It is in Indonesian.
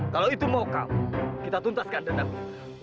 kalo itu mau kau kita tuntaskan dendam kita